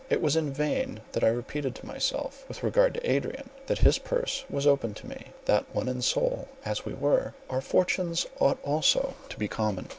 It was in vain that I repeated to myself with regard to Adrian, that his purse was open to me; that one in soul, as we were, our fortunes ought also to be common.